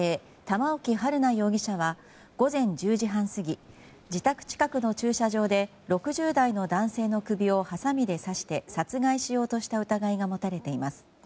玉置春奈容疑者は午前１０時半過ぎ自宅近くの駐車場で６０代の男性の首をはさみで刺して殺害しようとした疑いが持たれています。